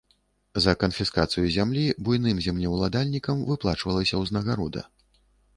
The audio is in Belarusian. За канфіскацыю зямлі буйным землеўладальнікам выплачвалася ўзнагарода.